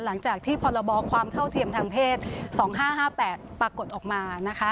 หลังจากที่พรบความเท่าเทียมทางเพศ๒๕๕๘ปรากฏออกมานะคะ